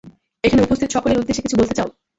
এখানে উপস্থিত সকলের উদ্দেশ্যে কিছু বলতে চাও?